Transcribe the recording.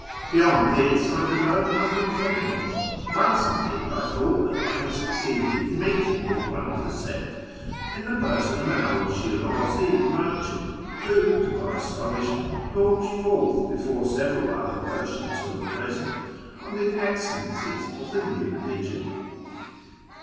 Beyond this I could learn nothing from him. Once, indeed, I thought that I had succeeded in meeting with one of the sect in the person of an old Shmizi merchant, who, to my astonishment, launched forth before several other Persians who were present on the excellences of the new religion.